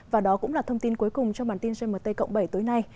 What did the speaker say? và đó cũng là thông tin cuối cùng trong bản tin gmt cộng bảy tối nay